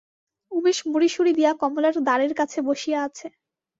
উমেশ মুড়িসুড়ি দিয়া কমলার দ্বারের কাছে বসিয়া আছে।